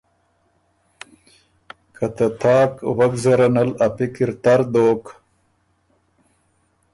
که ته تاک وک زرل ن ا پکِر تر دوک۔